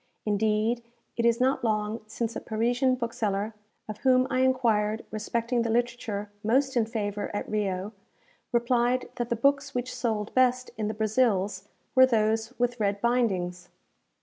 Indeed it is not long since a Parisian bookseller, of whom I enquired respecting the literature most in favour at Rio, replied that the books which sold best in the Brazils were those with red bindings!